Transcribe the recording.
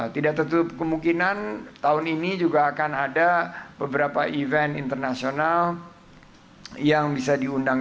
tidak tertutup kemungkinan tahun ini juga akan ada beberapa event internasional yang bisa diundang